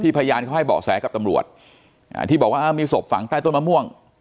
พยานเขาให้เบาะแสกับตำรวจที่บอกว่ามีศพฝังใต้ต้นมะม่วง